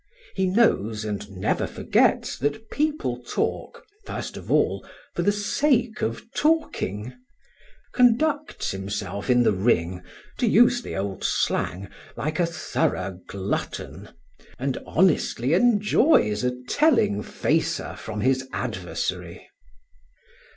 He knows and never forgets that people talk, first of all, for the sake of talking; conducts himself in the ring, to use the old slang, like a thorough "glutton," and honestly enjoys a telling facer from his adversary.